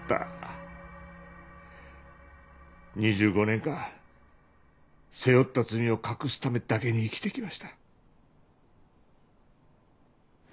２５年間背負った罪を隠すためだけに生きて来ました。